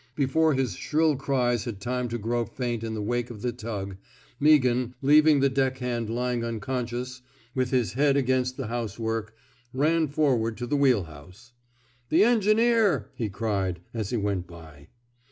Before his shrill cries had time to grow faint in the wake of the tug, Meaghan — leaving the deck hand lying unconscious, with his head against the house work — ran forward to the wheel house. The engineer! '* he cried, as he went by.